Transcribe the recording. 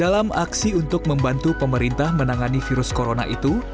dalam aksi untuk membantu pemerintah menangani virus corona itu